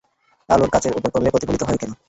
আলো কাচের ওপর পড়লে প্রতিফলিত হয় কেন?